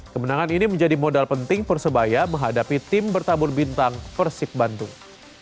kemenangan ini menjadi modal penting persebaya menghadapi tim bertabur bintang persib bandung